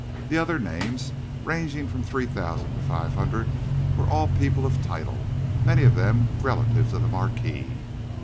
The other names, ranging from three thousand to five hundred, were all people of title, many of them relatives of the Marquis.